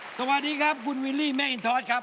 สวัสดีครับคุณวิลลี่แม่อินทอสครับ